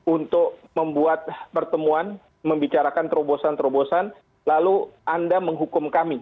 untuk membuat pertemuan membicarakan terobosan terobosan lalu anda menghukum kami